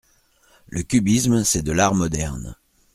Le cubisme c’est de l’art moderne.